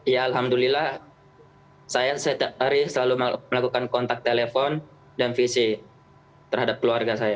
ya alhamdulillah saya setiap hari selalu melakukan kontak telepon dan vc terhadap keluarga saya